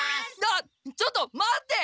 あっちょっと待って！